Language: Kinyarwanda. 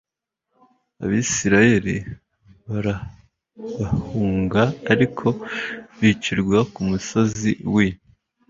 abisirayeli barabahunga ariko bicirwa ku musozi w i